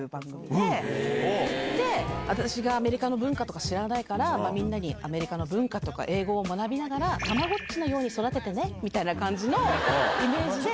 で、私がアメリカの文化とか知らないから、みんなにアメリカの文化とか英語を学びながら、たまごっちのように育ててねみたいな感じのイメージで。